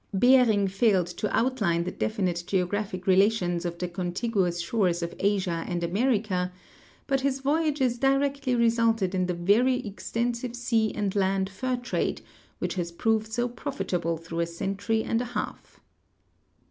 Bering failed to outline the definite geographic relations of the contiguous shores of Asia and America, but his voyages directl}'^ resulted in the very extensive sea and land fur trade which has proved so profitable through a century and a half.